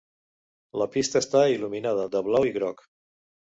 La pista està il·luminada de blau i groc.